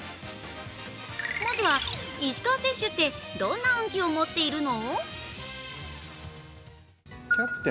まずは、石川選手ってどんな運気を持っているの？